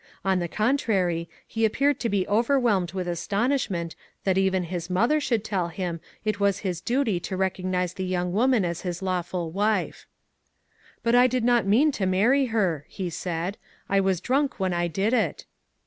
On the contrary, he appeared to be overwhelmed with astonishment that even his mother should tell him it was his duty to recognize the young woman as his lawful wife. "But I did not mean to marry her," he said. "I was drunk when I did it."